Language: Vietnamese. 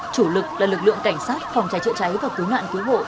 chủ lực là lực lượng cảnh sát phòng cháy chữa cháy và cứu nạn cứu hộ